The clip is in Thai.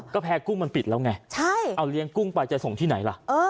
ก็แพ้กุ้งมันปิดแล้วไงเอาเลี้ยงกุ้งไปจะส่งที่ไหนล่ะ